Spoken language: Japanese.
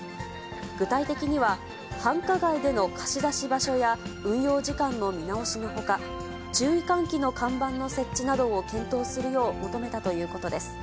具体的には、繁華街での貸し出し場所や運用時間の見直しのほか、注意喚起の看板の設置などを検討するよう求めたということです。